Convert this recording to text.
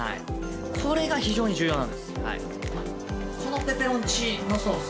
これが非常に重要なんです。